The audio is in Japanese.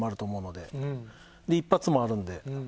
で一発もあるんで。